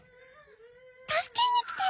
助けに来てる！